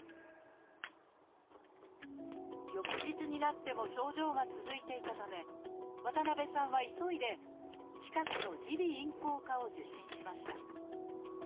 翌日になっても症状が続いていたため渡辺さんは急いで近くの耳鼻咽喉科を受診しました。